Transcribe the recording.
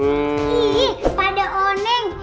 ih pada oneng